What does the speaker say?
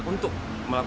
untuk melakukan perhiasan